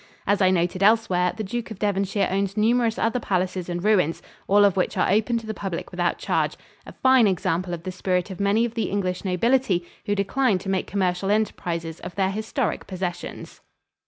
As I noted elsewhere, the Duke of Devonshire owns numerous other palaces and ruins, all of which are open to the public without charge a fine example of the spirit of many of the English nobility who decline to make commercial enterprises of their historic possessions.